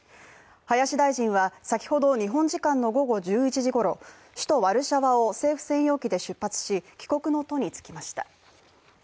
林大臣は、先ほど日本時間の午後１１時ごろ首都ワルシャワを政府専用機で出発し帰国の途につきました。